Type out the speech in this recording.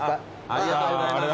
ありがとうございます。